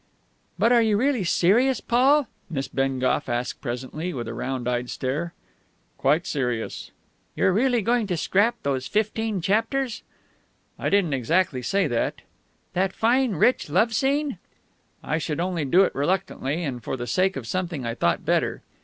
"But are you really serious, Paul?" Miss Bengough asked presently, with a round eyed stare. "Quite serious." "You're really going to scrap those fifteen chapters?" "I didn't exactly say that." "That fine, rich love scene?" "I should only do it reluctantly, and for the sake of something I thought better."